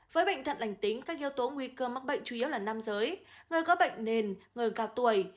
với bệnh thận lành tính các yếu tố nguy cơ mắc bệnh chủ yếu là nam giới người có bệnh nền người cao tuổi